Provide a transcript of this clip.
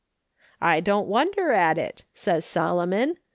"' I don't wonder at it,' says Solomon.